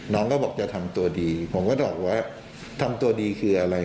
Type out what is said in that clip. น้องก็บอกจะทำตัวดีผมก็ตอบว่าทำตัวดีคืออะไร